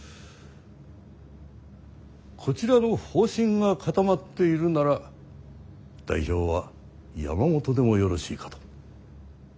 こちらの方針が固まっているなら代表は山本でもよろしいかと。